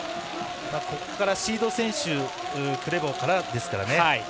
ここからシード選手クレボからですからね。